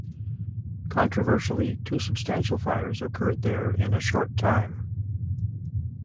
Controversially two substantial fires occurred there in a short time.